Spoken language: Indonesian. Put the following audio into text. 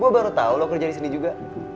gue baru tahu lo kerja di sini juga